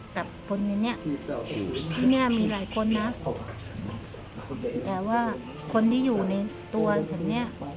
กับคนในเนี้ยที่เนี้ยมีหลายคนนะแต่ว่าคนที่อยู่ในตัวฉันเนี่ย